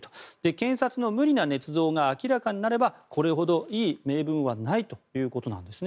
検察の無理なねつ造が明らかになればこれほどいい名分はないということなんです。